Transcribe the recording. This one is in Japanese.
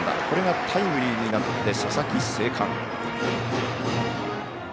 これがタイムリーになって佐々木、生還。